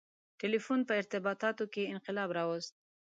• ټیلیفون په ارتباطاتو کې انقلاب راوست.